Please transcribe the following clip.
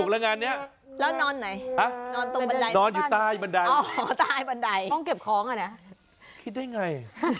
แล้วนอนไหนตายบันได